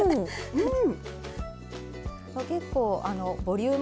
うん。